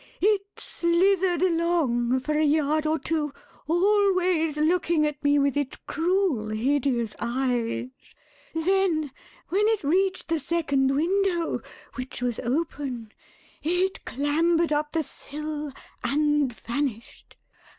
It slithered along for a yard or two, always looking at me with its cruel, hideous eyes, then, when it reached the second window, which was open it clambered up the sill and vanished.